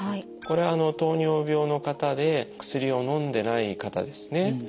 これは糖尿病の方で薬をのんでない方ですね。